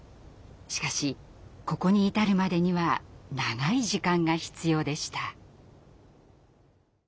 しかしここに至るまでには長い時間が必要でした。